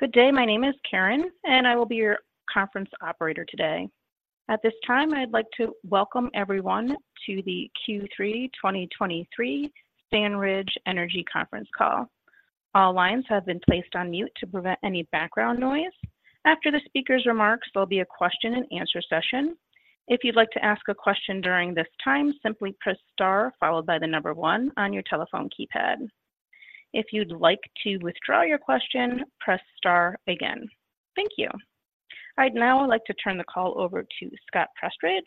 Good day. My name is Karen, and I will be your conference operator today. At this time, I'd like to welcome everyone to the Q3 2023 SandRidge Energy Conference Call. All lines have been placed on mute to prevent any background noise. After the speaker's remarks, there'll be a question and answer session. If you'd like to ask a question during this time, simply press star followed by the number one on your telephone keypad. If you'd like to withdraw your question, press star again. Thank you. I'd now like to turn the call over to Scott Prestridge,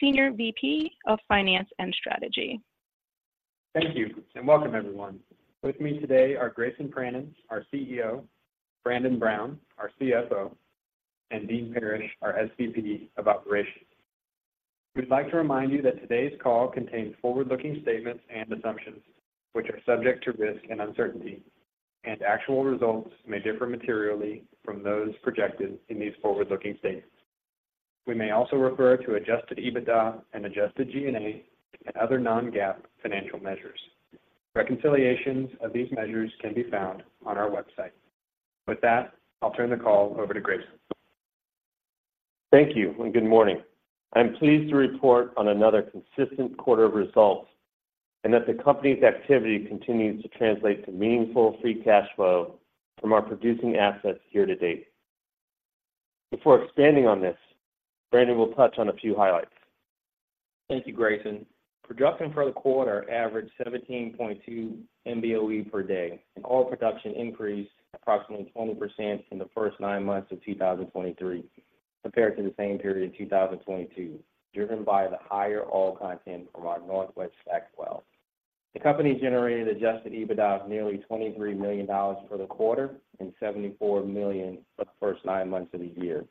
Senior VP of Finance and Strategy. Thank you, and welcome, everyone. With me today are Grayson Pranin, our CEO, Brandon Brown, our CFO, and Dean Parrish, our SVP of Operations. We'd like to remind you that today's call contains forward-looking statements and assumptions, which are subject to risk and uncertainty, and actual results may differ materially from those projected in these forward-looking statements. We may also refer to adjusted EBITDA and adjusted G&A and other non-GAAP financial measures. Reconciliations of these measures can be found on our website. With that, I'll turn the call over to Grayson. Thank you, and good morning. I'm pleased to report on another consistent quarter of results and that the company's activity continues to translate to meaningful free cash flow from our producing assets year to date. Before expanding on this, Brandon will touch on a few highlights. Thank you, Grayson. Production for the quarter averaged 17.2 MBoe per day, and oil production increased approximately 20% from the first nine months of 2023 compared to the same period in 2022, driven by the higher oil content from our Northwest STACK well. The company generated adjusted EBITDA of nearly $23 million for the quarter and $74 million for the first nine months of the year.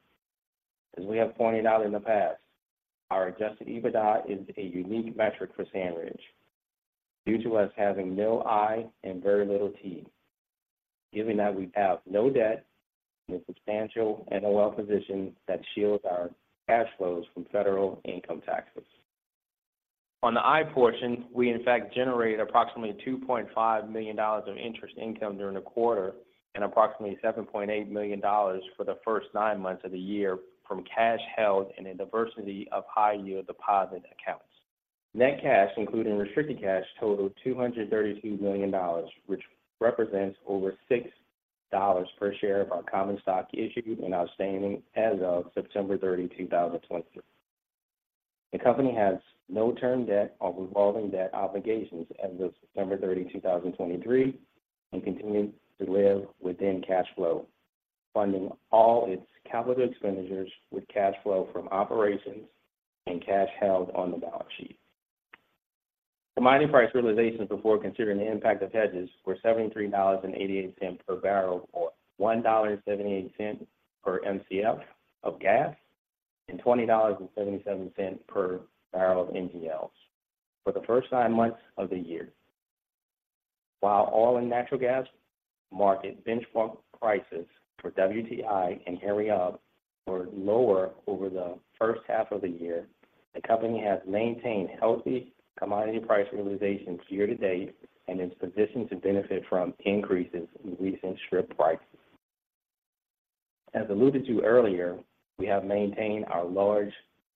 As we have pointed out in the past, our adjusted EBITDA is a unique metric for SandRidge due to us having no I and very little T, given that we have no debt and a substantial NOL position that shields our cash flows from federal income taxes. On the interest portion, we in fact generated approximately $2.5 million of interest income during the quarter and approximately $7.8 million for the first nine months of the year from cash held in a variety of high-yield deposit accounts. Net cash, including restricted cash, totaled $232 million, which represents over $6 per share of our common stock issued and outstanding as of September 30, 2023. The company has no term debt or revolving debt obligations as of September 30, 2023, and continues to live within cash flow, funding all its capital expenditures with cash flow from operations and cash held on the balance sheet. Commodity price realizations before considering the impact of hedges were $73.88 per barrel, or $1.78 per Mcf of gas, and $20.77 per barrel of NGLs for the first nine months of the year. While oil and natural gas market benchmark prices for WTI and Henry Hub were lower over the first half of the year, the company has maintained healthy commodity price realizations year to date and is positioned to benefit from increases in recent strip prices. As alluded to earlier, we have maintained our large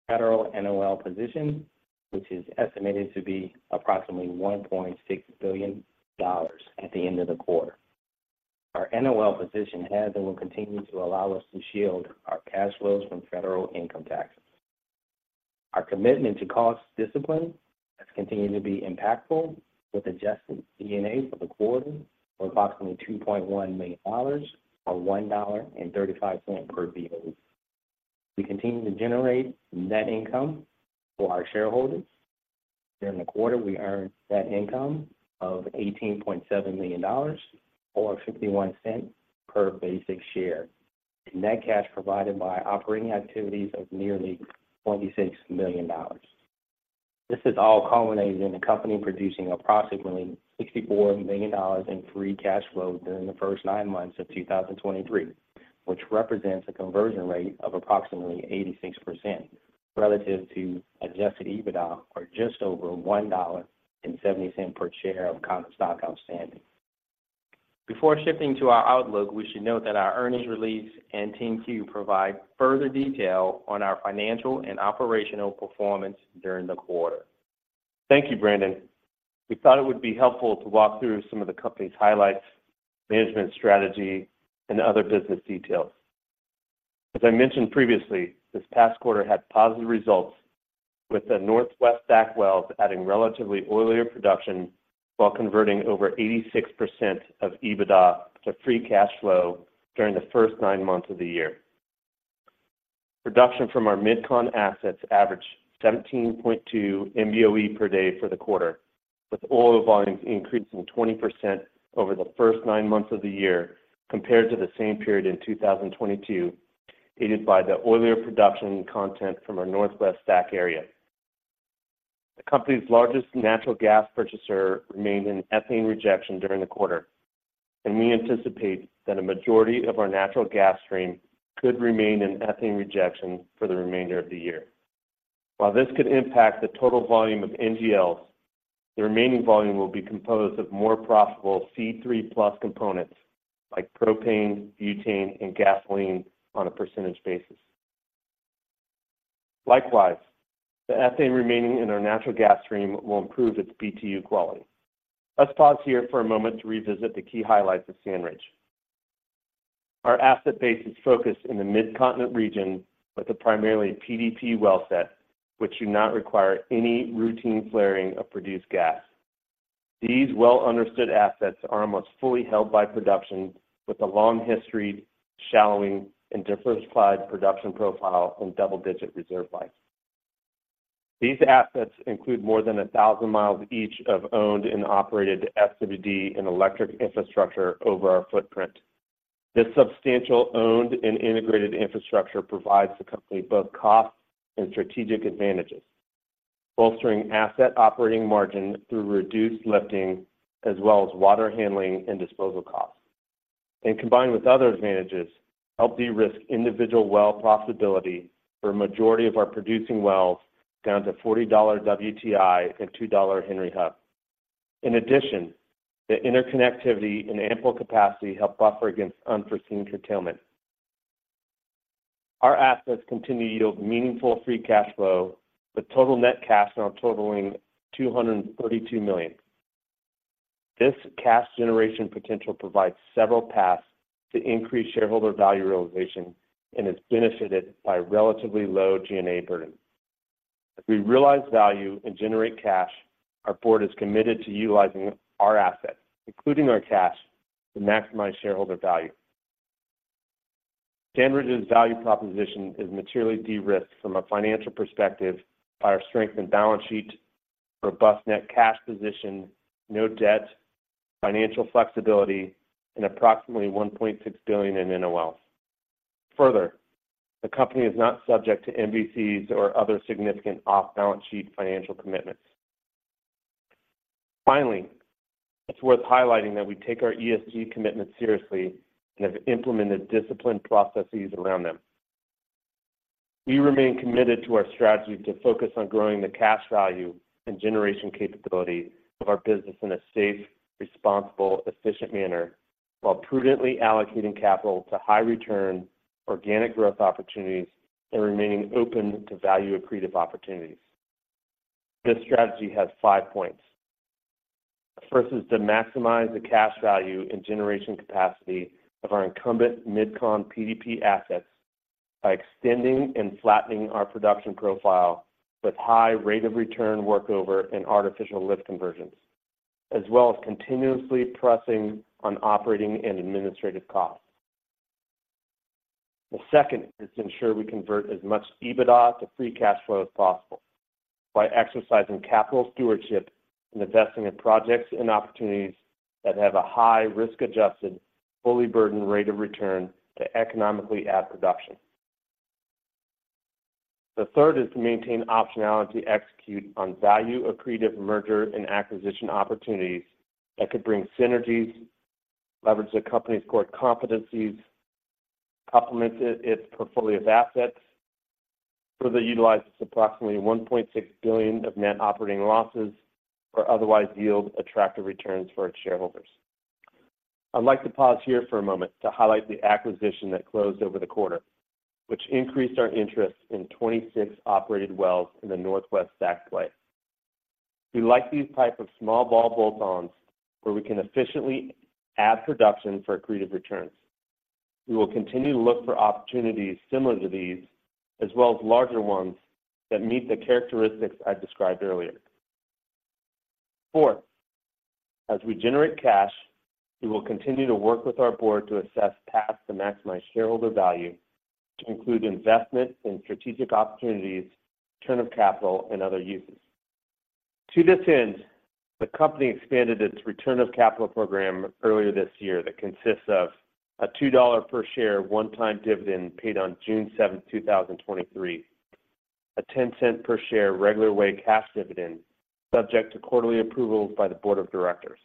federal NOL position, which is estimated to be approximately $1.6 billion at the end of the quarter. Our NOL position has and will continue to allow us to shield our cash flows from federal income taxes. Our commitment to cost discipline has continued to be impactful, with adjusted G&A for the quarter of approximately $2.1 million, or $1.35 per BOE. We continue to generate net income for our shareholders. During the quarter, we earned net income of $18.7 million, or $0.51 per basic share, and net cash provided by operating activities of nearly $26 million. This is all culminating in the company producing approximately $64 million in free cash flow during the first nine months of 2023, which represents a conversion rate of approximately 86% relative to adjusted EBITDA, or just over $1.70 per share of common stock outstanding. Before shifting to our outlook, we should note that our earnings release and 10-Q provide further detail on our financial and operational performance during the quarter. Thank you, Brandon. We thought it would be helpful to walk through some of the company's highlights, management strategy, and other business details. As I mentioned previously, this past quarter had positive results, with the Northwest STACK wells adding relatively oilier production while converting over 86% of EBITDA to free cash flow during the first nine months of the year. Production from our MidCon assets averaged 17.2 MBoe per day for the quarter, with oil volumes increasing 20% over the first nine months of the year compared to the same period in 2022, aided by the oilier production content from our Northwest STACK area. The company's largest natural gas purchaser remained in ethane rejection during the quarter, and we anticipate that a majority of our natural gas stream could remain in ethane rejection for the remainder of the year. While this could impact the total volume of NGLs, the remaining volume will be composed of more profitable C3+ components like propane, butane, and gasoline on a percentage basis. Likewise, the ethane remaining in our natural gas stream will improve its BTU quality. Let's pause here for a moment to revisit the key highlights of SandRidge. Our asset base is focused in the Mid-Continent region with a primarily PDP well set, which do not require any routine flaring of produced gas. These well-understood assets are almost fully held by production, with a long history, shallowing, and diversified production profile and double-digit reserve life. These assets include more than 1,000 miles each of owned and operated SWD and electric infrastructure over our footprint. This substantial owned and integrated infrastructure provides the company both cost and strategic advantages, bolstering asset operating margin through reduced lifting, as well as water handling and disposal costs, and combined with other advantages, help de-risk individual well profitability for a majority of our producing wells down to $40 WTI and $2 Henry Hub. In addition, the interconnectivity and ample capacity help buffer against unforeseen curtailment. Our assets continue to yield meaningful free cash flow, with total net cash now totaling $232 million. This cash generation potential provides several paths to increase shareholder value realization and is benefited by relatively low G&A burden. As we realize value and generate cash, our board is committed to utilizing our assets, including our cash, to maximize shareholder value. SandRidge's value proposition is materially de-risked from a financial perspective by our strength and balance sheet, robust net cash position, no debt, financial flexibility, and approximately $1.6 billion in NOLs. Further, the company is not subject to MVCs or other significant off-balance sheet financial commitments. Finally, it's worth highlighting that we take our ESG commitment seriously and have implemented disciplined processes around them. We remain committed to our strategy to focus on growing the cash value and generation capability of our business in a safe, responsible, efficient manner, while prudently allocating capital to high return, organic growth opportunities and remaining open to value accretive opportunities. This strategy has five points. The first is to maximize the cash value and generation capacity of our incumbent MidCon PDP assets by extending and flattening our production profile with high rate of return workover and artificial lift conversions, as well as continuously pressing on operating and administrative costs. The second is to ensure we convert as much EBITDA to free cash flow as possible by exercising capital stewardship and investing in projects and opportunities that have a high risk-adjusted, fully burdened rate of return to economically add production. The third is to maintain optionality, execute on value accretive merger and acquisition opportunities that could bring synergies, leverage the company's core competencies, complement its, its portfolio of assets, further utilize its approximately $1.6 billion of net operating losses, or otherwise yield attractive returns for its shareholders. I'd like to pause here for a moment to highlight the acquisition that closed over the quarter, which increased our interest in 26 operated wells in the Northwest STACK play. We like these type of small ball bolt-ons, where we can efficiently add production for accretive returns. We will continue to look for opportunities similar to these, as well as larger ones that meet the characteristics I described earlier. Fourth, as we generate cash, we will continue to work with our board to assess paths to maximize shareholder value, to include investment in strategic opportunities, return of capital, and other uses. To this end, the company expanded its return of capital program earlier this year that consists of a $2 per share one-time dividend paid on June 7th, 2023, a $0.10 per share regular way cash dividend, subject to quarterly approvals by the board of directors.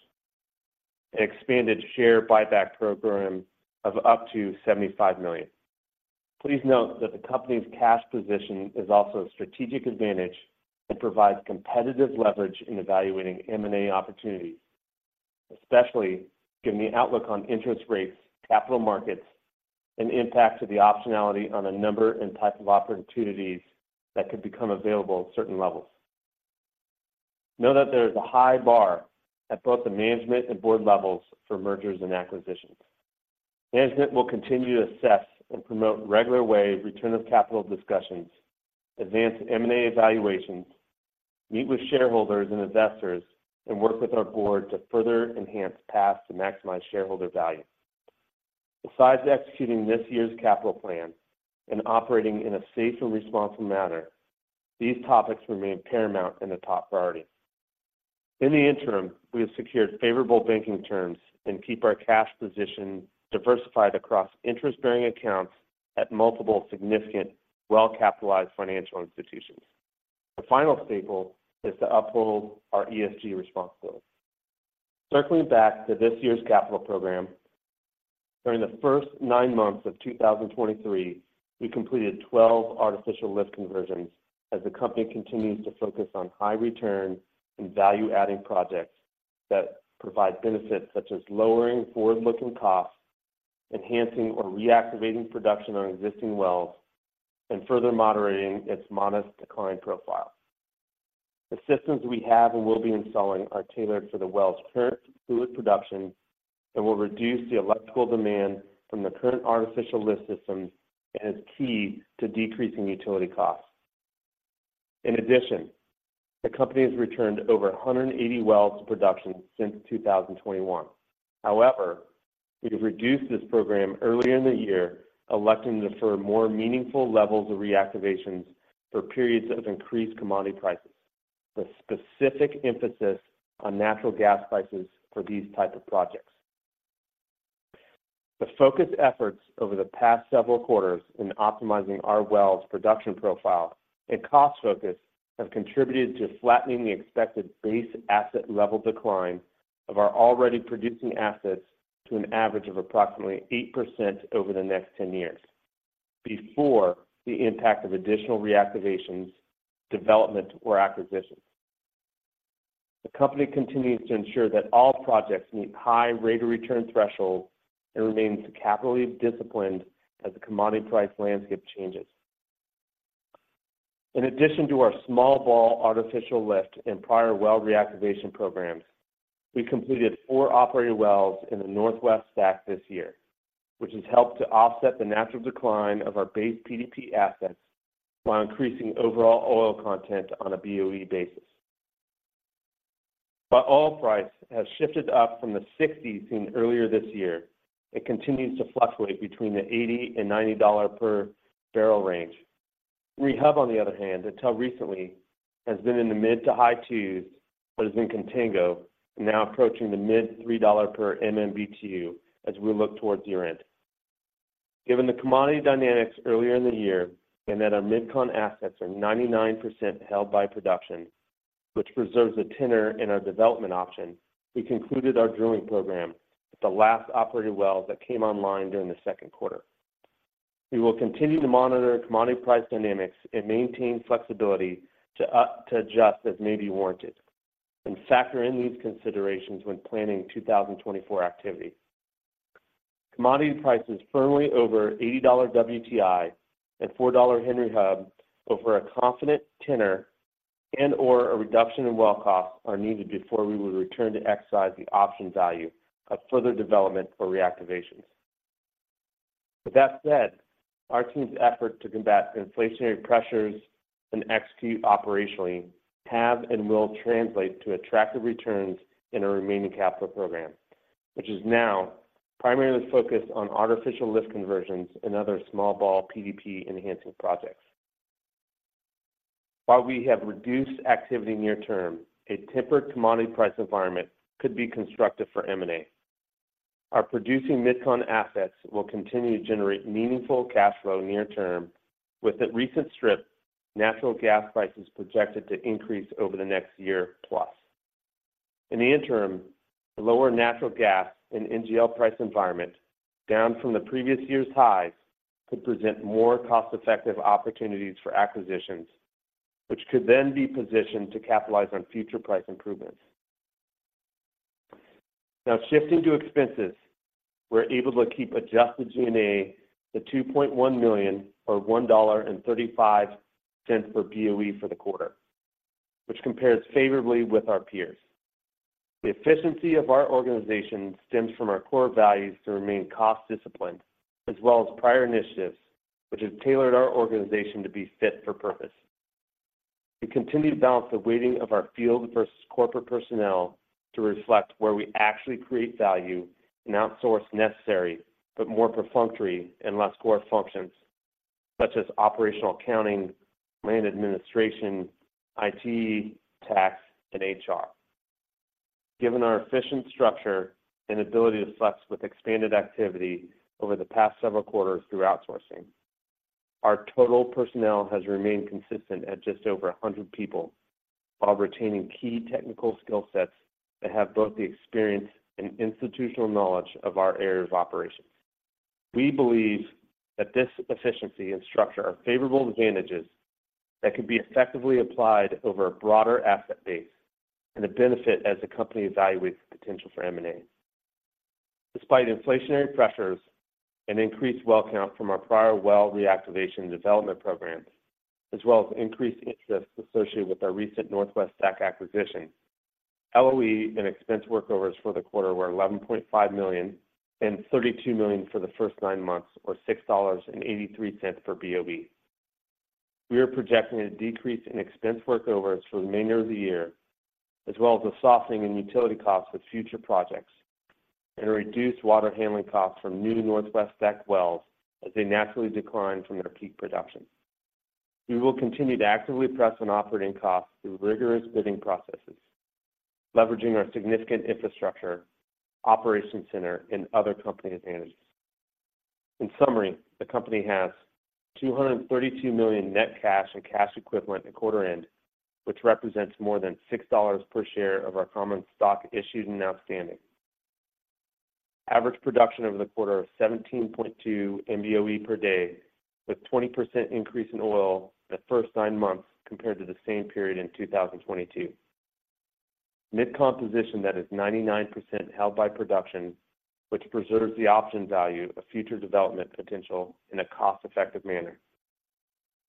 An expanded share buyback program of up to $75 million. Please note that the company's cash position is also a strategic advantage and provides competitive leverage in evaluating M&A opportunities, especially given the outlook on interest rates, capital markets, and impact to the optionality on a number and type of opportunities that could become available at certain levels. Know that there is a high bar at both the management and board levels for mergers and acquisitions. Management will continue to assess and promote regular way return of capital discussions, advance M&A evaluations, meet with shareholders and investors, and work with our board to further enhance paths to maximize shareholder value. Besides executing this year's capital plan and operating in a safe and responsible manner, these topics remain paramount and a top priority. In the interim, we have secured favorable banking terms and keep our cash position diversified across interest-bearing accounts at multiple significant, well-capitalized financial institutions. The final staple is to uphold our ESG responsibility. Circling back to this year's capital program. During the first nine months of 2023, we completed 12 artificial lift conversions as the company continues to focus on high return and value-adding projects that provide benefits such as lowering forward-looking costs, enhancing or reactivating production on existing wells, and further moderating its modest decline profile. The systems we have and will be installing are tailored for the well's current fluid production and will reduce the electrical demand from the current artificial lift systems and is key to decreasing utility costs. In addition, the company has returned over 180 wells to production since 2021. However, we've reduced this program earlier in the year, electing to defer more meaningful levels of reactivations for periods of increased commodity prices, with specific emphasis on natural gas prices for these type of projects. The focused efforts over the past several quarters in optimizing our wells production profile and cost focus have contributed to flattening the expected base asset level decline of our already producing assets to an average of approximately 8% over the next 10 years, before the impact of additional reactivations, development, or acquisitions. The company continues to ensure that all projects meet high rate of return thresholds and remains capitally disciplined as the commodity price landscape changes. In addition to our small ball artificial lift and prior well reactivation programs, we completed four operating wells in the Northwest STACK this year, which has helped to offset the natural decline of our base PDP assets while increasing overall oil content on a BOE basis. While oil price has shifted up from the $60s seen earlier this year, it continues to fluctuate between the $80-$90 per barrel range. Henry Hub, on the other hand, until recently, has been in the mid- to high-$2s, but is in contango, now approaching the mid-$3 per MMBtu as we look towards year-end. Given the commodity dynamics earlier in the year and that our MidCon assets are 99% held by production, which preserves the tenor in our development option, we concluded our drilling program with the last operated well that came online during the second quarter. We will continue to monitor commodity price dynamics and maintain flexibility to to adjust as may be warranted and factor in these considerations when planning 2024 activity. Commodity prices firmly over $80 WTI and $4 Henry Hub over a confident tenor and/or a reduction in well costs are needed before we would return to exercise the option value of further development or reactivations. With that said, our team's effort to combat inflationary pressures and execute operationally have and will translate to attractive returns in our remaining capital program, which is now primarily focused on artificial lift conversions and other small ball PDP-enhancing projects. While we have reduced activity near-term, a tempered commodity price environment could be constructive for M&A. Our producing MidCon assets will continue to generate meaningful cash flow near term, with the recent strip natural gas prices projected to increase over the next year plus. In the interim, the lower natural gas and NGL price environment, down from the previous year's highs, could present more cost-effective opportunities for acquisitions, which could then be positioned to capitalize on future price improvements. Now, shifting to expenses, we're able to keep adjusted G&A to $2.1 million or $1.35 per BOE for the quarter, which compares favorably with our peers. The efficiency of our organization stems from our core values to remain cost disciplined, as well as prior initiatives, which have tailored our organization to be fit for purpose. We continue to balance the weighting of our field versus corporate personnel to reflect where we actually create value and outsource necessary, but more perfunctory and less core functions such as operational accounting, land administration, IT, tax, and HR. Given our efficient structure and ability to flex with expanded activity over the past several quarters through outsourcing, our total personnel has remained consistent at just over 100 people while retaining key technical skill sets that have both the experience and institutional knowledge of our areas of operations. We believe that this efficiency and structure are favorable advantages that could be effectively applied over a broader asset base and a benefit as the company evaluates the potential for M&A. Despite inflationary pressures and increased well count from our prior well reactivation development programs, as well as increased interest associated with our recent Northwest STACK acquisition, LOE and expense workovers for the quarter were $11.5 million and $32 million for the first nine months, or $6.83 per BOE. We are projecting a decrease in expense workovers for the remainder of the year, as well as a softening in utility costs with future projects and a reduced water handling cost from new Northwest STACK wells as they naturally decline from their peak production. We will continue to actively press on operating costs through rigorous bidding processes, leveraging our significant infrastructure, operations center, and other company advantages. In summary, the company has $232 million net cash and cash equivalents at quarter end, which represents more than $6 per share of our common stock issued and outstanding. Average production over the quarter of 17.2 MBoe per day, with 20% increase in oil the first nine months compared to the same period in 2022. MidCon composition that is 99% held by production, which preserves the option value of future development potential in a cost-effective manner.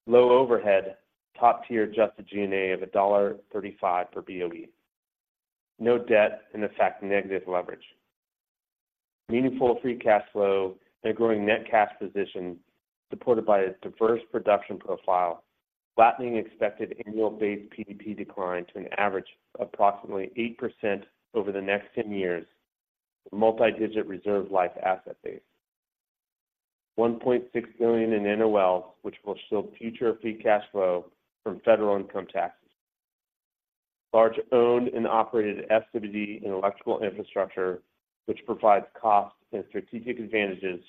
Low overhead, top-tier adjusted G&A of $1.35 per BOE. No debt, in effect, negative leverage. Meaningful free cash flow and a growing net cash position, supported by a diverse production profile, flattening expected annual base PDP decline to an average of approximately 8% over the next 10 years, multi-digit reserve life asset base. $1.6 billion in NOL, which will shield future free cash flow from federal income taxes. Large owned and operated SWD and electrical infrastructure, which provides cost and strategic advantages,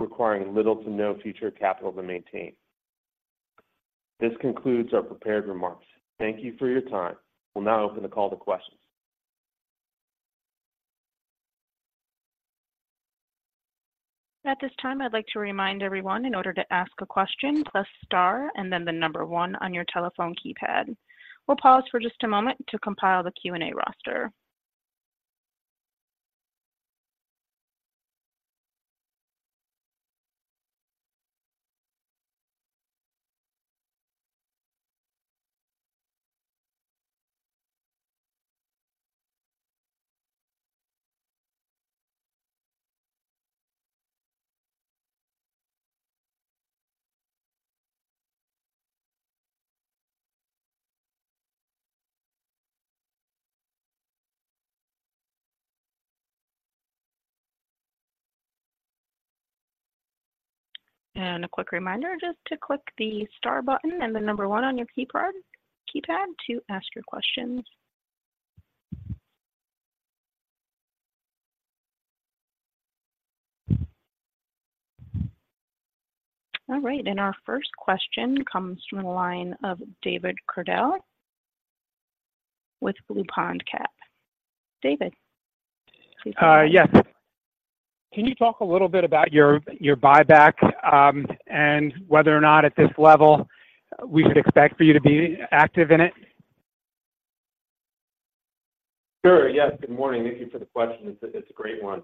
requiring little to no future capital to maintain. This concludes our prepared remarks. Thank you for your time. We'll now open the call to questions. At this time, I'd like to remind everyone, in order to ask a question, press star and then the number one on your telephone keypad. We'll pause for just a moment to compile the Q&A roster. A quick reminder, just to click the Star button and the number one on your keypad to ask your questions. All right, our first question comes from the line of David Cordell with Blue Pond Cap. David? Yes. Can you talk a little bit about your buyback, and whether or not at this level we would expect for you to be active in it? Sure. Yes, good morning. Thank you for the question. It's a great one.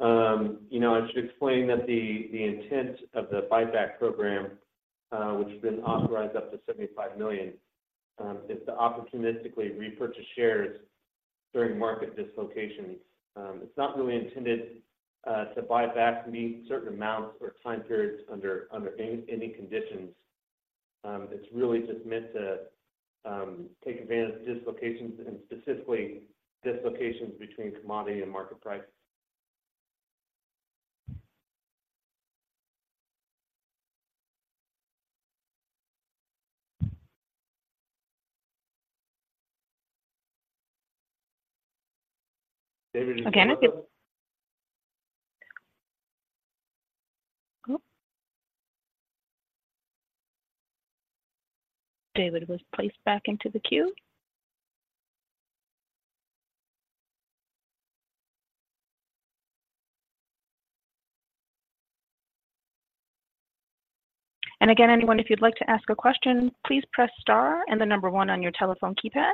You know, I should explain that the intent of the buyback program, which has been authorized up to $75 million, is to opportunistically repurchase shares during market dislocations. It's not really intended to buy back to meet certain amounts or time periods under any conditions. It's really just meant to take advantage of dislocations and specifically dislocations between commodity and market price. David, is it still. David was placed back into the queue. And again, anyone, if you'd like to ask a question, please press star and the number one on your telephone keypad.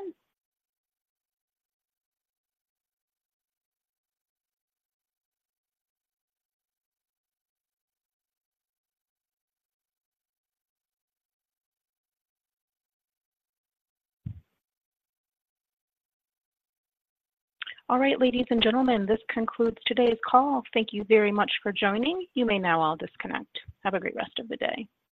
All right, ladies and gentlemen, this concludes today's call. Thank you very much for joining. You may now all disconnect. Have a great rest of the day.